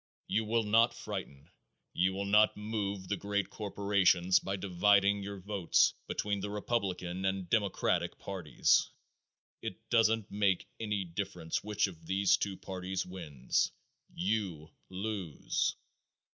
You will not frighten, you will not move the great corporations by dividing your votes between the republican and democratic parties. It doesn't make any difference which of these two parties wins, you lose!